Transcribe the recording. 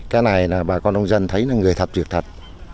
cái này là bà con đông dân thấy là người thật việc thật